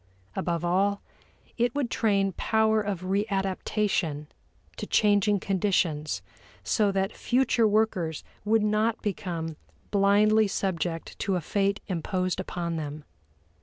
Above all, it would train power of readaptation to changing conditions so that future workers would not become blindly subject to a fate imposed upon them.